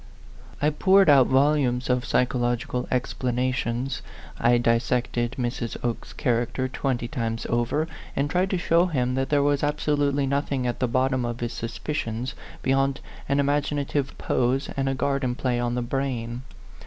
I poured out volumes of psychological ex planations. I dissected Mrs. Oke's character twenty times over, and tried to show him that there was absolutely nothing at the bottom of his suspicions beyond an imagina tive pose and a garden play on the brain.